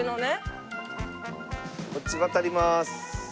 こっち渡ります。